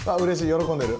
喜んでる。